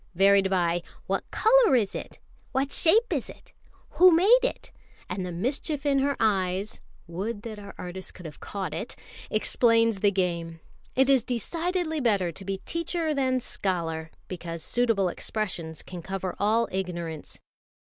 varied by "What colour is it? What shape is it? Who made it?" and the mischief in her eyes (would that our artist could have caught it!) explains the game. It is decidedly better to be teacher than scholar, because suitable questions can cover all ignorance.